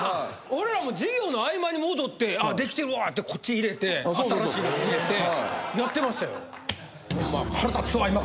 俺らも授業の合間に戻ってできてるわってこっち入れて新しいの入れてやってましたよ。